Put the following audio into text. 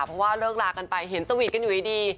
เพราะว่าเลิกลากันไปเห็นสวีทกันอยู่ดี